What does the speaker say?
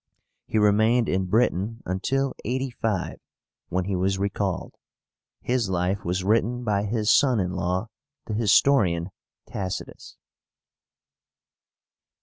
He remained in Britain until 85, when he was recalled. His life was written by his son in law, the historian Tacitus.